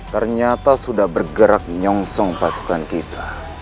ternyata sudah bergerak nyongsong pasukan kita